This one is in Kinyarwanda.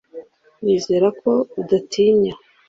nizere ko udatinya